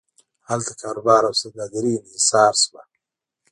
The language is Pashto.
هلته کاروبار او سوداګري انحصار شوه.